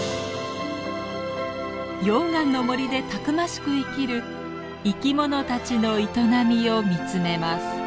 溶岩の森でたくましく生きる生き物たちの営みを見つめます。